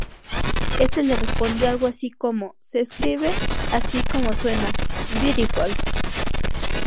Este le responde algo así como "se escribe así como suena: Biu-tiful".